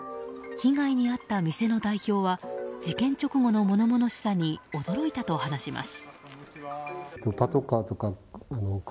被害に遭った店の代表は事件直後の物々しさに驚いたと話します。